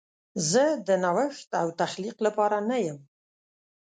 زه د نوښت او تخلیق لپاره نه یم.